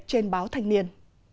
trên báo thanh niên